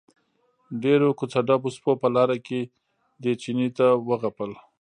ډېرو کوڅه ډبو سپو په لاره کې دې چیني ته وغپل.